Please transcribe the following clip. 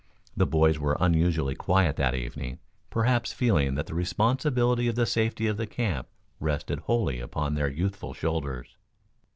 The boys were unusually quiet that evening, perhaps feeling that the responsibility of the safety of the camp rested wholly upon their youthful shoulders.